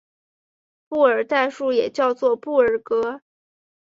布尔代数也叫做布尔格。